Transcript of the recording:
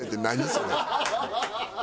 それ。